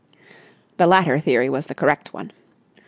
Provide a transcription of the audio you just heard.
The latter theory was the correct one.